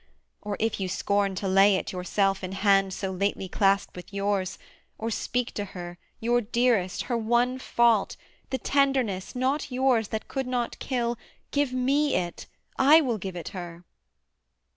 or if you scorn to lay it, Yourself, in hands so lately claspt with yours, Or speak to her, your dearest, her one fault, The tenderness, not yours, that could not kill, Give me it: I will give it her.